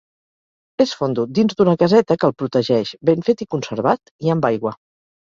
És fondo, dins d'una caseta que el protegeix, ben fet i conservat, i amb aigua.